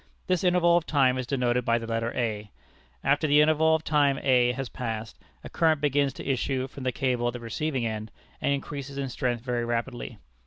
This interval of time is denoted by the letter a. After the interval of time a has passed, a current begins to issue from the cable at the receiving end, and increases in strength very rapidly.